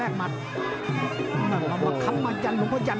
เอามาคำมาจันลุงพระจัน